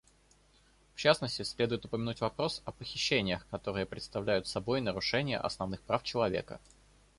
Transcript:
В частности, следует упомянуть вопрос о похищениях, которые представляют собой нарушения основных прав человека.